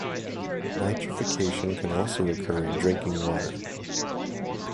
Nitrification can also occur in drinking water.